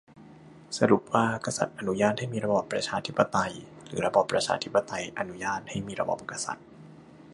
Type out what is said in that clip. สรุปว่ากษัตริย์อนุญาตให้มีระบอบประชาธิปไตย หรือระบอบประชาธิปไตยอนุญาตให้มีระบอบกษัตริย์ ?